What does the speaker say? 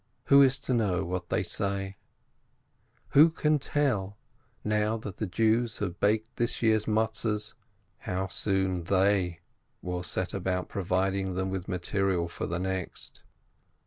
Who is to know what they say ? Who can tell, now that the Jews have baked this year's Matzes, how soon they will set about providing them with material for the next?